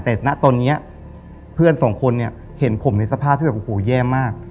แต่ณตอนนี้เพื่อนสองคนเนี่ยเห็นผมในสภาพที่แบบโอ้โหแย่มาก